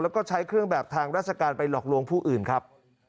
แล้วก็ใช้เครื่องแบบทางราชการไปหลอกลวงผู้อื่นครับ